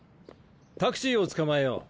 タクシーをつかまえよう！